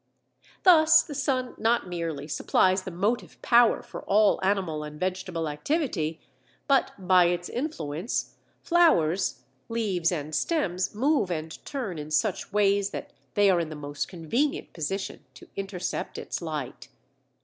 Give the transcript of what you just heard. Thus the sun not merely supplies the motive power for all animal and vegetable activity but, by its influence, flowers, leaves, and stems move and turn in such ways that they are in the most convenient position to intercept its light.